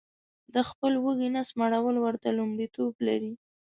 د خپل وږي نس مړول ورته لمړیتوب لري